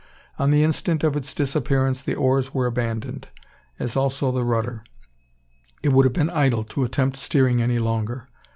On the instant of its disappearance, the oars were abandoned, as also the rudder. It would have been idle to attempt steering any longer.